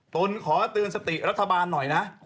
นขอเตือนสติรัฐบาลหน่อยนะ